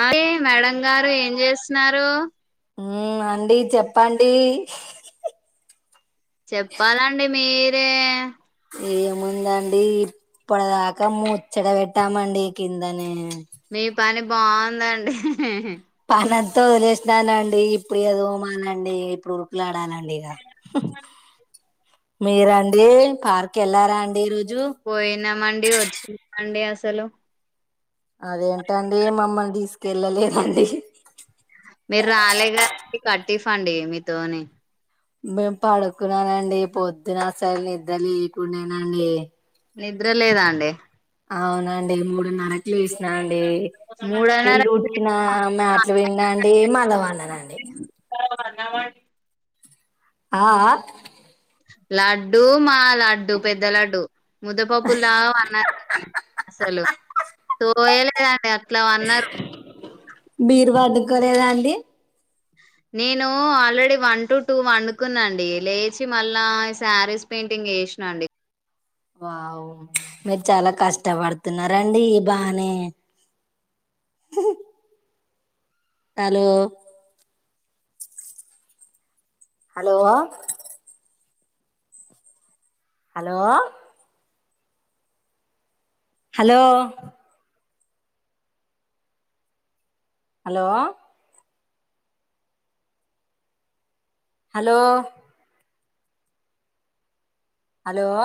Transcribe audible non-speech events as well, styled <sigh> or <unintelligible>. ఆయీ madam గారు ఏం చేస్తున్నారు? ఉ అండి చెప్పండి చెప్పాలండి మీరే ఏముందండి ఇప్పటిదాకా ముచ్చట పెట్టామండి కిందనే మీ పని బావుదండి పనింత ఒదిలేసిననండి ఇప్పుడు ఏదోమాలండి ఇప్పుడు ఉరుకులాడాలండి ఇగ <unintelligible> మీరండి పార్క్ ఎళ్లారండి రోజు పోయినా మండి వచ్చ మండి అసలు అదేంటండి మమ్మల్ని తీసుకెళ్ళలేదండి మీరు రాలే గదండి కట్టిఫ్ అండి మీతోని మేము పడుకున్నానండి పొద్దున అసల్ నిద్ర లేకుండేనండి నిద్ర లేదా అండి. అవునండి మూడున్నరకు లేసిన అండి మూడున్నర ఇల్లుడ్చిన మ్యాట్ లు విండిన అండి మళ్లా పంన్నానా అండి <unintelligible> ఆఆ లడ్డు మా లడ్డు పెద్ద లడ్డు ముద్దపప్పులా వన్నారండి అసలు సోయ్ లేదండి అట్లా వన్నారు మీరు వండుకోలేదా అండి నేను ఆల్రెడీ వన్ టు టూ వండుకున్నా అండి లేచి మళ్ళా శారీస్ పెయింటింగ్ ఏషన నా అండి వావ్ మీరు చాలా కష్టపడుతున్నరండి బానే <unintelligible> hello!? Hello hello hello hello hello hello